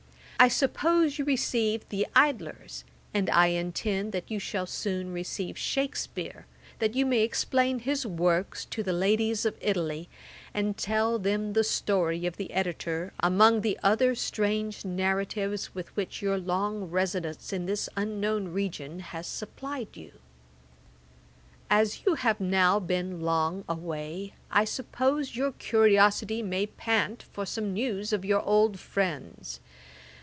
'I suppose you received the Idlers, and I intend that you shall soon receive Shakspeare, that you may explain his works to the ladies of Italy, and tell them the story of the editor, among the other strange narratives with which your long residence in this unknown region has supplied you. 'As you have now been long away, I suppose your curiosity may pant for some news of your old friends.